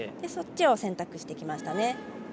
そっちを選択してきましたね。